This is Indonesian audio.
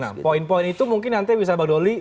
nah poin poin itu mungkin nanti bisa bang doli